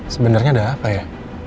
sebenernya ada apa ya